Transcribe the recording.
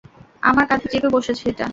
আমার কাঁধে চেপে বসেছে এটা!